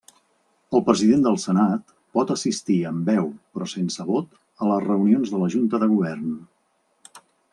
El president del Senat pot assistir amb veu però sense vot a les reunions de la Junta de Govern.